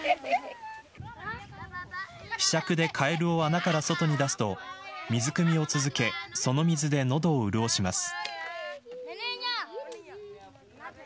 ひしゃくでカエルを穴から外に出すと水くみを続けその水で喉を潤します。